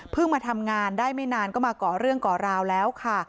มาทำงานได้ไม่นานก็มาก่อเรื่องก่อราวแล้วค่ะ